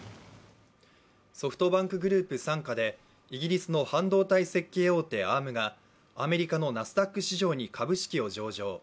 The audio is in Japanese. ソフトバンクグループ傘下でイギリスの半導体設計大手、アームがアメリカのナスダック市場に株式を上場。